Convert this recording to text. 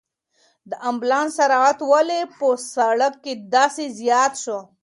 د امبولانس سرعت ولې په سړک کې داسې زیات شو؟